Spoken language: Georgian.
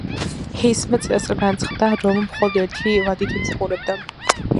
ჰეისმა წინასწარ განაცხადა, რომ მხოლოდ ერთი ვადით იმსახურებდა.